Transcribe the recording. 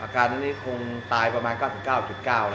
อาการตอนนี้คงตายประมาณ๙๙๙แล้วครับ